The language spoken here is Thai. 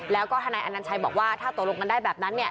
แล้วก็ทนายอนัญชัยบอกว่าถ้าตกลงกันได้แบบนั้นเนี่ย